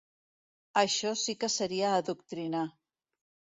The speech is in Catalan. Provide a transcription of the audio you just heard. Això sí que seria adoctrinar.